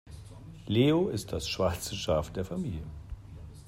Leo ist das schwarze Schaf der Familie.